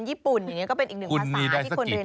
ญี่ปุ่นอย่างนี้ก็เป็นอีกหนึ่งภาษาที่คนเรียน